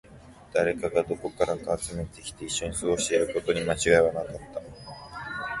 誰かがどこからか集めてきて、一緒に過ごしていることに間違いはなかった